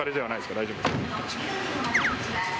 大丈夫ですか。